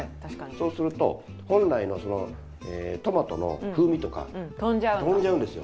そうすると本来のトマトの風味とか飛んじゃうんですよ。